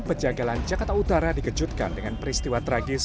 pejagalan jakarta utara dikejutkan dengan peristiwa tragis